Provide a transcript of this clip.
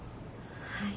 はい。